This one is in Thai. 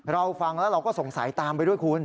เราฟังแล้วเราก็สงสัยตามไปด้วยคุณ